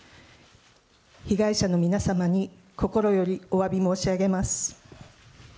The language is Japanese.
被害者の皆様に心よりおわび申し上げます。